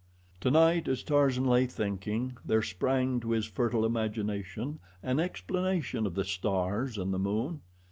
Tonight as Tarzan lay thinking, there sprang to his fertile imagination an explanation of the stars and the moon.